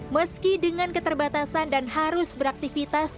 meski dengan keterbatasan dan harus beraktivitas